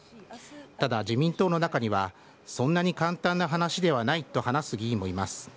ただ、自民党の中には、そんなに簡単な話ではないと話す議員もいます。